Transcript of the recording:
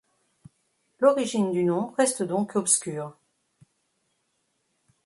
L'origine du nom reste donc obscure.